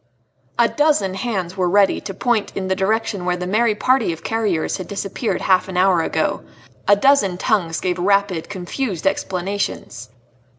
A dozen hands were ready to point in the direction where the merry party of carriers had disappeared half an hour ago; a dozen tongues gave rapid, confused explanations.